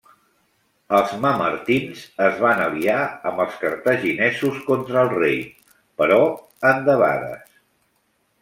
Els mamertins es van aliar amb els cartaginesos contra el rei, però en debades.